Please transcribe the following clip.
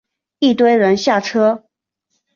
一堆人下车